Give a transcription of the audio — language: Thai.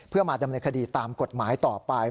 เพื่อมาดำเนินคดีตามกฎหมายต่อไป